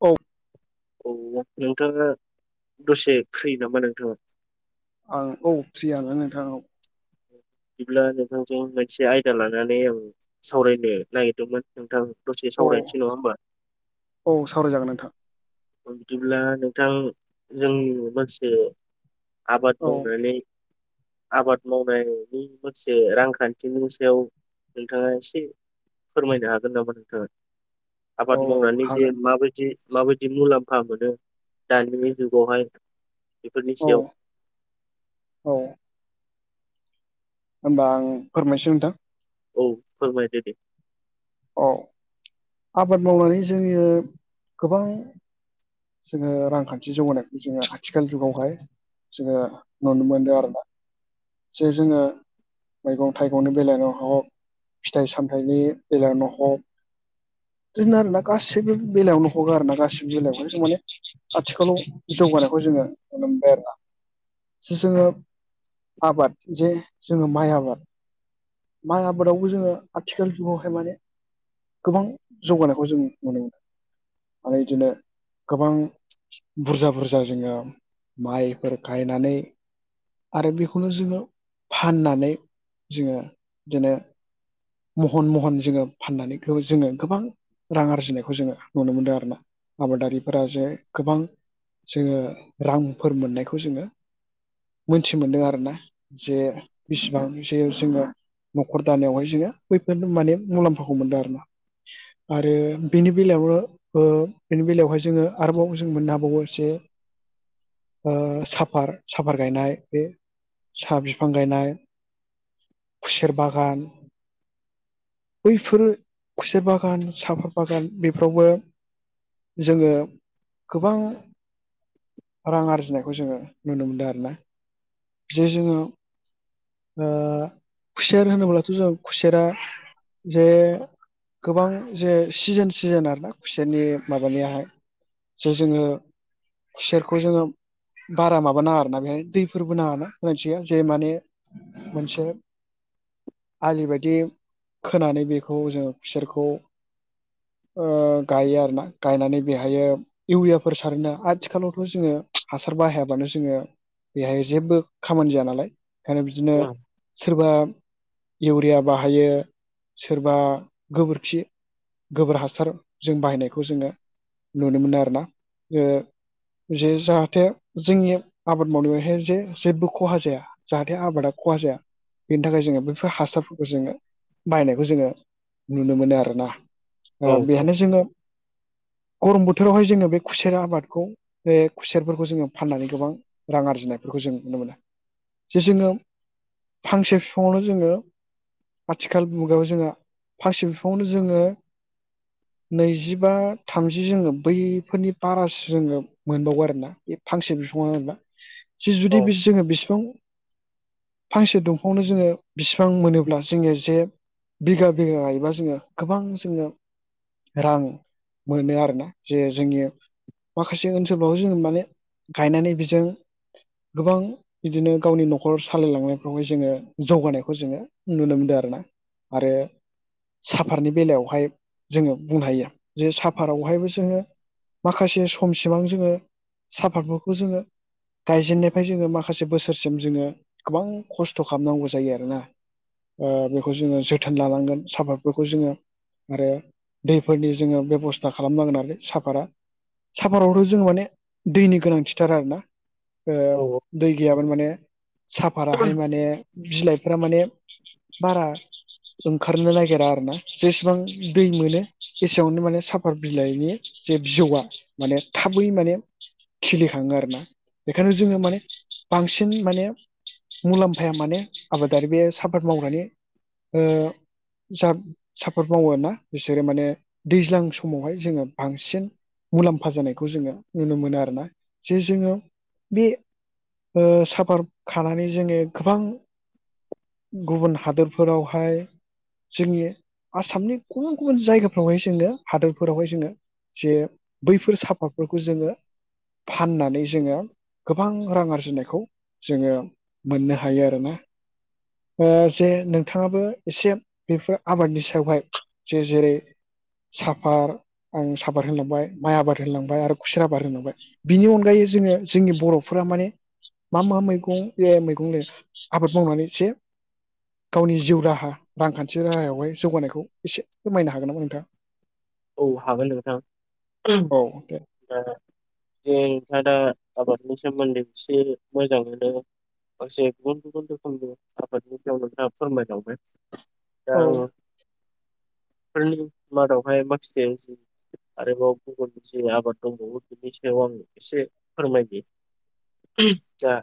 औ औ नोंथांङा दसे फ्रि नामा नोंथांङा? आं औ फ्रियानो नोंथां औ। बिदिब्ला नोंथांजों मोनसे आयदा लानानै ओं। सावरायनो नागिरदोंमोन नोंथां दसे औ सावरायनोसै नंङा होमबा? औ सावराय जागोन नोंथां। बिदिब्ला नोंथां जोंनि मोनसे आबाद औ मावनानै आबाद मावनायनि मोनसे रांखान्थिनि सायाव नोंथांङा एसे फोरमायनो हागोन नामा नोंथांङा? औ आबाद मावनानै जे हागोन माबायदि माबायदि जि मुलाम्फा मोनो, दानि जुगावहाय बेफोरनि औ सायाव औ होमबा आं फोरमायनोसै नोंथां। औ फोरमायदो दे। अ आबाद मावनानै जोङो गोबां जोङो रांखान्थि जौगानायखौ जोङो आथिखाल जुगावहाय जोङो नुनो मोनो आरोना। जे जोङो मैगं थाइगंनि बेलायावनो हग फिथाइ सामथाइनि बेलायावनो हग बिदिनो आरो ना गासैबो बेलायावनो हगो आरो ना गासिबो बेलायावहाय माने आथिखालाव जौगानायखौ जोङो नुनो मोनबाय आरोना जोङो आबाद जे जोङो माइ आबाद। माइ आबादावबो जोङो आथिखाल जुगावहाय माने गोबां जौगानायखौ जों नुनो मोनो आरो इदिनो गोबां बुरजा बुरजा जोङो माइफोर गायनानै आरो बेखौनो जोङो फाननानै जोङो, बिदिनो महन महन जोङो फाननानै जोङो गोबां रां आरजिनायखौ जोङो नुनो मोनदों आरो ना। आबादारिफोरा जे गोबां जोङो रांफोर मोननायखौ जोङो मोनथि मोन्दों आरोना जे बिसिबां जे जोङो न'खर दानायावहाय जोङो बैफोर माने मुलाम्फाखौ मोनदों आरोना आरो बेनि बेलायावनो ओ बेनि बेलायावहाय जोङो आरोबाव जों मोननो हाबावो एसे ओ साफार साफार गायनाय बे साहा बिफां गायनाय खुसेर बागान बैफोर खुसेर बागान साफाद बागान बेफोरावबो जोङो गोबां रां आरजिनायखौ जोङो नुनो मोनदों आरोना जे जोङो ओ खुसेर होनोब्लाथ जों खुसेरा जे गोबां जे सिजेन सिजेन आरोना खुसेरनि माबानियाहाय जे जोङो खुसेरखौ जोङो बारा माबा नाङा आरोना बेहाय दैफोरबो नाङा आरोना होनायथिया जे माने मोनसे आलि बादि खोनानै बेखौ जोङो खुसोरखौ ओ गायो आरोना गायनानै बेहायो इउरियाफोर सारोना आथिखालावथ जोङो हासार बाहायाबानो जोङो बेहाय जेबो खामानि जाया नालाय ओंखायनो बिदिनो औ सोरबा इउरिया बाहायो सोरबा गोबोरखि गोबोर हासार जों बाहायनायखौ जोङो नुनो मोनो आरोना जे जाहाथे जोंनि आबाद मावनायावहाय जे जेबो खहा जाया जाहाथे आबादा खहा जाया बेनि थाखाय जोङो बे फोर हासारफोरखौ जोङो बायनायखौ जोङो नुनो मोनो आरोना औ ओ बेहानो जोङो गरम बोथोरावहाय जोङो बे खुसेरा आबादखौ बे खुसेरफोरखौ जोङो फाननानै गोबां रां आरजिनायफोरखौ जों नुनो मोनो जे जोङो फांसे बिफांआवनो जोङो आथिखाल मुगायाव जोंहा फांसे बिफाङावनो जोङो [inaudible] नैजिबा थामजि जोङो बैफोरनि बारासो जोङो मोनबावो आरोना बे फांसे बिफाङावनो बा [inaudible] जि जुदि जोङो बिसेबां फांसे दंफाङावनो जोङो बिसिबां मोनोब्ला जोङो जे बिघा बिघा गायोबा जोङो गोबां जोङो रां मोनो आरोना जे जोंनि माखासे ओनसोलफ्राव जोंङो माने गायनानै बेजों गोबां इदिनो गावनि न'खर सालायलांनायफ्रावहाय जोङो जौगानाय बेखौ जोङो नुनो मोनदों आरोना आरो साफारनि बेलायावहाय जोङो बुंनो हायो जे साफारावहायबो जोङो माखासे समसिबां जोङो साफातफोरखौ जोङो गायजेननायनिफ्राय जोङो माखासे बोसोरसिम जोङो गोबां खस्थ खालामनांगौ जायो आरोना ओ बेखौ जोङो जोथोन लानांगोन साफातफोरखौ जोङो आरो दैफोरनि जोङो बेबस्था खालामनांगोन आरोालाय साफादा साफारावथ जों माने दैनि गोनांथिथार आरोना ओ औ दै गैयामोन माने औ साफाराहाय माने बिलाइ या माने बारा ओंखारनो नागिरा आरोना जेसेबां दै मोनो एसेयावनो माने साफर बिलाइनि जे बिजौआ माने थाबै माने खिलिखाङो आरोना बेखायनो जोङो माने बांसिन माने मुलाम्फाया माने आबादारि बे साफाद मावग्रानि जा साफाद मावो आरोना बिसोरो माने दैज्लां समावहाय जोङो बांसिन मुलाम्फा जानायखौ जोङो नुनो मोनो आरोना जे जोङो बे साफा खानानै जोङो गोबां गुबुन हादोरफोरावहाय जोंनि आसामनि गुबुन गुबुन जायगाफ्रावहाय जोङो हादरफोरावहाय जोङो जे बैफोर साफातफोरखौ जोङो फाननानै जोङो गोबां रां आरजिनायखौ जोङो मोननो हायो आरो ना जे नोंथाङाबो एसे बेफोर आबादनि सायावहाय जे जेरै साफार आं साफार होनलांबाय माइ आबाद होनोलांबाय आरो खुसेर आबाद होनोलांबाय बिनि अनगायै जोङो जोंनि बर'फोरा माने मा मा मैगं मैगंनो आबाद मावनानै एसे गावनि जिउ राहा रांखान्थि राहायावहाय जौगानायखौ एसे फोरमायनो हागोन नामा नोंथाङा औ हागोन नोंथां औ दे जोंथादा आबादनि सोमोन्दै एसे मोजां मोनो फोराय दा औ आङो फोरनि मादावहाय बाखिसिसे आरोबाव गुबुननि जे आबाद दंबावो बिनि सायाव आं एसे फोरमायदि आ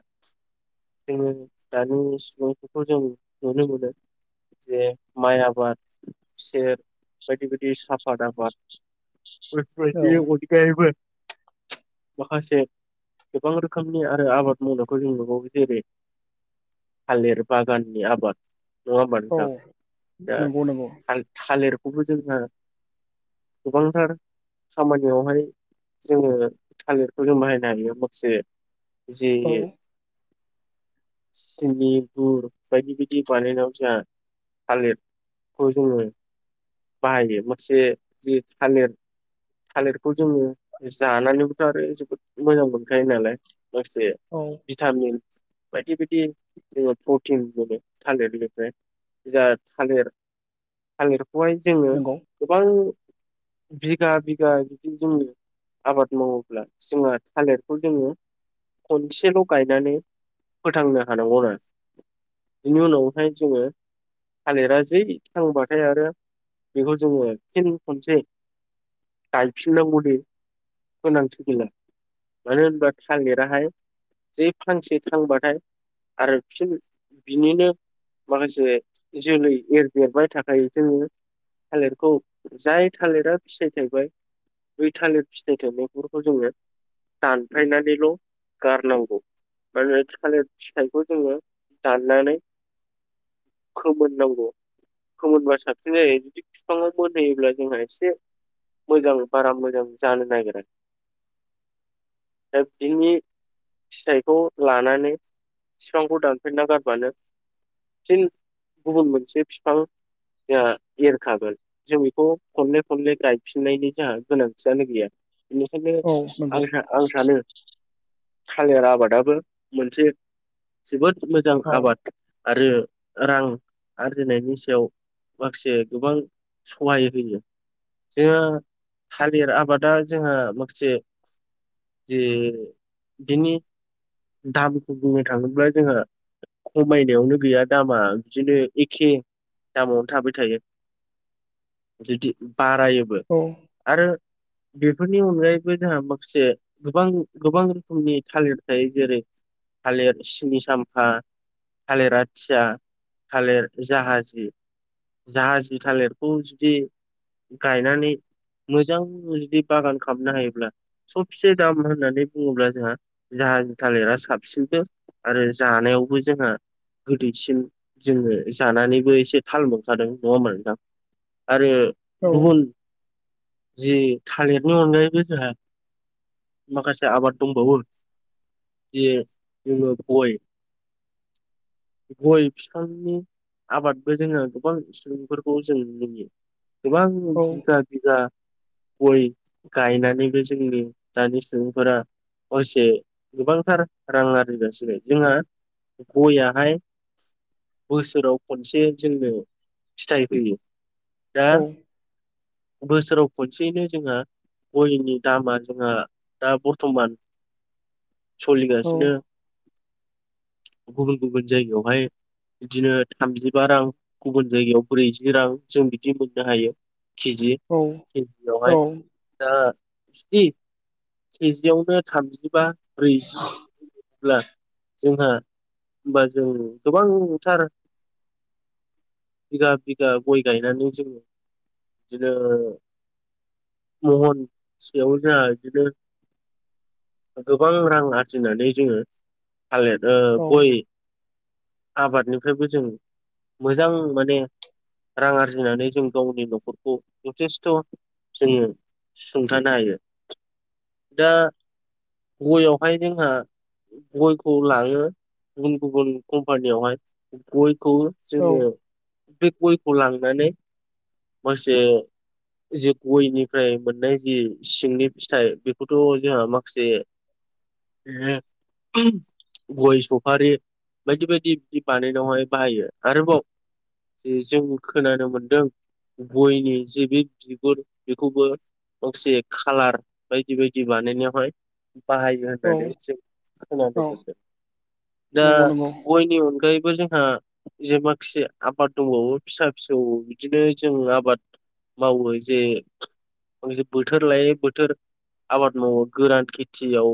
जोङो दानि सिफोरखौ जों नुनो मोनो जे माइ आबाद खसेर बायदि बायदि साफ सादा बद औ गबो माखासे गोबां रोखोमनि आरो आबाद मावनायखौ जों नुबावो जेरै थालिर बागाननि आबाद औ नङबानोथां दा नंगौ नंगौ थालिरखौबो जोंहा गोबांथार खामानियावहाय जोङो थारेटखौ जों बाहायनो हायो माखासे औ जि नि बदि बिदि बाल नाव थालिरखौ जोङो बाहायो माखासे जि थालिर थालिरखौ जोङो जानानैबोथ' आरो जोबोद मोजां मोनखायो नालाय माखासे औ भिटामिन बायदि बायदि जोङो प्रटिन मोनो थालिरनिफ्राय ज थालिर थालिरखौहाय जोङो नंगौ गोबां बिगा बिगा जुदि जोंङो आबाद मावोब्ला जोंहा थालिरखौ जोङो खनसेल' गायनानै फोथांनो हानांगौ आरो बेनि उनावहाय जोङो थालिरा जै थांबाथाय आरो बेखौ जोङो फिन खनसै गायफिननांगौनि गोनांथिो गैला मानो होनबा थागिराहाय जे फांसे थांबाथाय आरो बिसोर बिनिनो माखासे जोलै एरदेरबाय थाखाय जोङो थालिरखौ थाय थालिरा फिसिथाय थाइबाय दुइ थालिर फिथायथ मैगखौ जोङो सानफाइनालिल' गारनांगौ माने थालिर फिथाइखौ जोङो दाननानै खोमोननांगौ खोमोनबा साबसिन जायो जुदि बिफाङा मोन होयोब्ला जोंना एसे मोजां बारा मोजां जानो नागिरा द दिनि फिथाइखौ लानानै बिफांखौ दानफेरना गारबानो साबसिन गुबुन मोनसे बिफां एरखागोन जों बेखौ खनले खनले गायफिननायनि जोंहा गोनांथियानो गैया बेस औ नंगौ आ आं सानो थालिर आबादाबो मोनसे जोबोद मोजां औ आबाद आरो रां आरजिनायनि सायाव माखासे गोबां सहाय होयो जोङो थालिर आबादा जोंहा माखासे जे बिनि दाबिखौ बुंनो थाङोब्ला जोंहा खमायनायावनो गैया दामा बिदिनो एखे दामावनो थाबाय थायो। बिदि बारायोबो औ। आरो बेफोरनि अनगायैबो जोंहा माखासे। गोबां गोबां रोखोमनि थालिर थायो जेरै थालिर सिनि सामफा थालिरा थायो थालिर जाहाजि जाहाजि थालिर। खौ जुदि गायनानै मोजां जुदि बागान खालामनो हायोब्ला। सबसे दाम होननानै बुङोब्ला जोंहा जाहाजि थालिरा साबसिनबो आरो जानायावबो जोंहा गोदैसिम जोङो जानानैबो एसे थालिर मोनखादों नङा मोन दां आरो औ गुबुन जि थालिरनि अनगायैबो जोंहा माखासे आबाद दं बुन जय [unintelligible] गय बिफांनि आबादबो जोङो गोबां सुबुं खौ जों नुयो गोबां औ बिगा बिघा गय गायनानैबो जोंनि दानि सुबुंफोरा। हसे गोबांथार रां आरजि जासिबाय गयाहाय बोसोराव खनसे जोंनो फिथाइ फैयो दा औ बोसोराव खनसेयैनो जोंहा गयलनि दामा जोंहा दा बर्थमान सोलिगासिनो [inaudible] गुबुन गुबुन जायगायावहाय बिदिनो थामजिबा रां गुबुन जायगायाव ब्रैजि रां जों बिदि मोननो हायो केजि औ केजियावहाय दा बि केजिआवनो थामजिबा ब्रैजि ब्ला जोंहा होनबा जों गोबांथार बिगा बिगा गय गायनानै जोङो बिदिनो महनसेयाव जाया बिदिनो गोबां रां आरजिनानै जोङो थालिर गय आबादनिफ्रायबो जों मोजां माने रां आरजिनानै जों गावनि न'खरखौ जथेस्थ' जोङो। सुं सुंथानो हायो दा गयावहाय जोंहा गयखौ लाङो गुबुन गुबुन कम्पानियावहाय गयखौ औ जोङो। बे गयखौ लांनानै मोनसे जे गयनिफ्राय मोननाय जि सिंनि फिथाइ बेखौथ' जोंहा माखासे बे गय सफारि बायदि बायदि बिदि बानायनायावहाय बाहायो आरोबाव जों खोनानो मोनदों गयनि जे बे बिगुर बेखौबो असे खालार बायदि बायदि बानाय नायावहाय बाहाय नानै औ जों खोनानो औ मोनदों दा नंगौ नंगौ निनि अनगायैबो जोंहा जे माखिया आबाद दंबो फिसा फिसौ बिदिनो जों आबाद मावो जे दि बोथोर लायो बोथोर आबाद मावो गोरान खेथियाव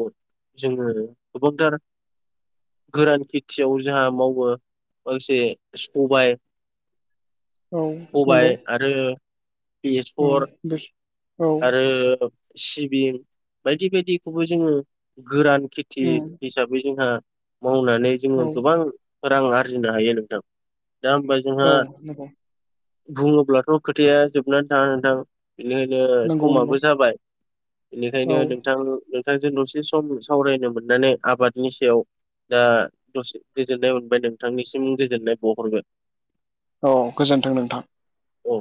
जोङो गोबांथार गोरान खेथियाव जोंहा मावो गांसे सबाय औ नंगौ सबाय आरो औ बेसर बे औ आरो सिबिं बायदि बायदिखौबो जोङो गोरान खेथि उम हिसाबै जोंहा मावनानै औ जोङो गोबां रां आरजिनो हायो नोंथां दा होमबा जोंहा औ नंगौ बुङोब्लाथ खोथाया जोबनानै थाङा नोंथां बेनिखायनो नंगौ नंगौ समाबो जाबाय औ इनिखायनो नोंथां नोंथांजों दसे सम सावरायनो मोननानै आबादनि सायाव दा दसे गोजोननाय मोनबाय नोंथांनिसिम गोजोननाय बहरगोन औ गोजोन्थों नोंथां औ